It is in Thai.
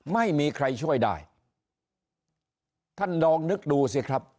ไม่มีใครช่วยได้ท่านลองนึกดูสิครับ